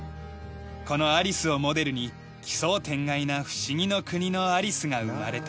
このアリスをモデルに奇想天外な『不思議の国のアリス』が生まれた。